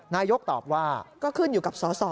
นายกตอบว่าก็ขึ้นอยู่กับสส